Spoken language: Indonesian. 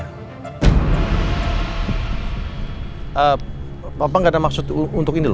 eh papa gak ada maksud untuk ini lho